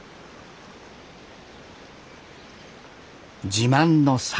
自慢の桜。